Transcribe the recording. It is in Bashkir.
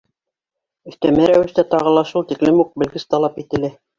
Өҫтәмә рәүештә тағы ла шул тиклем үк белгес талап ителә.